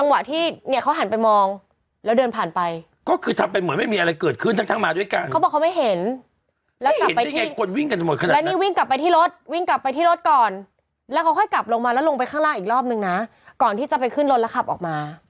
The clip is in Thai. ไม่เห็นได้ไงคนวิ่งกันจะหมดขนาดนั้นแล้วนี่วิ่งกลับไปที่รถวิ่งกลับไปที่รถก่อนแล้วเขาก็ค่อยกลับลงมาแล้วลงไปข้างล่างอีกรอบนึงนะก่อนที่จะไปขึ้นรถแล้วขับออกมา